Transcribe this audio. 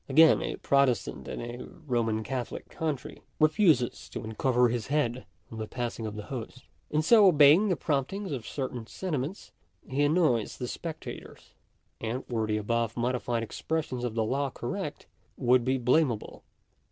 Again, a Protestant in a Roman Catholic country, refuses to uncover his head on the passing of the host. In so obeying the promptings of certain sentiments, he annoys the spectators; and were the above modified expression of the law correct, would be blame able.